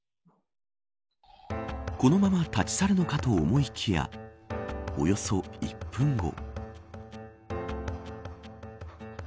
このまま立ち去るのかと思いきやおよそ１分後。